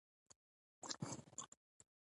حمید بابا د محمدشاه رنګیلا په دوره کې ژوند کاوه